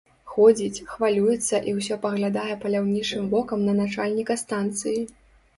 Ходзіць, хвалюецца і ўсё паглядае паляўнічым вокам на начальніка станцыі.